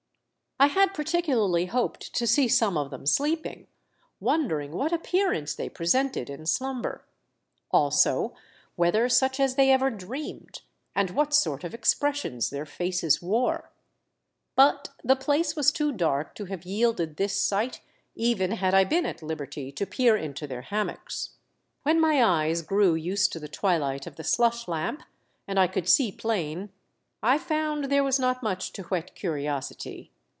I had particularly hoped to see some of them sleeping, wondering what appearance they presented in slumber ; also whether such as they ever dreamed, and v/hat sort of ex pressions their faces wore. But the place was too dark to have yielded this sight even had I been at liberty to peer into their ham mocks. When my eyes grew used to the twilight of the slush lamp and I could see plain, I found there was not much to whet curiosity.